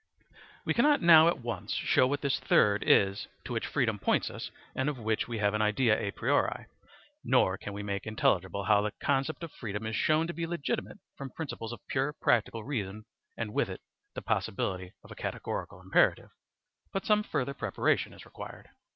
We cannot now at once show what this third is to which freedom points us and of which we have an idea a priori, nor can we make intelligible how the concept of freedom is shown to be legitimate from principles of pure practical reason and with it the possibility of a categorical imperative; but some further preparation is required.